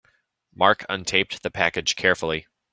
Mark untaped the package carefully.